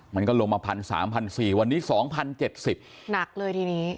มันก็ลงมา๑๓๔๐๐วันนี้๒๐๗๐หนักเลยทีนี้